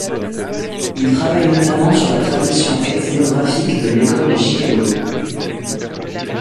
Il travaille notamment sur la tradition ethnographique de l'école de Chicago.